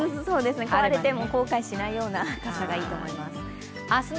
壊れても後悔しないような傘がいいと思います。